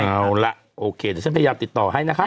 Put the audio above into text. เอาละโอเคเดี๋ยวฉันพยายามติดต่อให้นะคะ